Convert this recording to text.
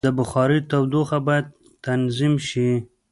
د بخارۍ تودوخه باید تنظیم شي.